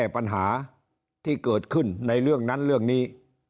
ปัญหาที่เกิดขึ้นในเรื่องนั้นเรื่องนี้